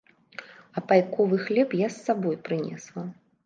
А пайковы хлеб я з сабою прынесла.